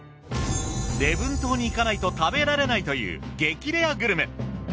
礼文島に行かないと食べられないという激レアグルメ。